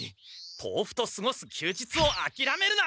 豆腐とすごす休日をあきらめるな！